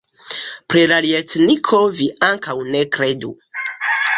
Pri la ljetniko vi ankaŭ ne kredu!